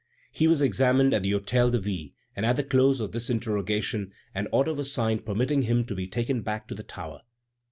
He was examined at the Hôtel de Ville, and at the close of this interrogation an order was signed permitting him to be taken back to the tower.